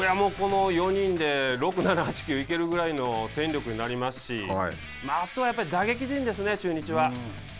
この４人で６、７、８、９をいけるぐらいの戦力になりますし、あとは打撃陣